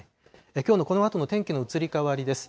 きょうのこのあとの天気の移り変わりです。